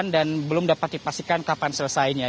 dan belum dapat dipastikan kapan selesainya